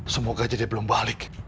semoga aja dia belum balik